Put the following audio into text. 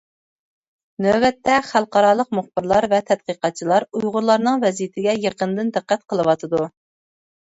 نۆۋەتتە، خەلقئارالىق مۇخبىرلار ۋە تەتقىقاتچىلار ئۇيغۇرلارنىڭ ۋەزىيىتىگە يېقىندىن دىققەت قىلىۋاتىدۇ.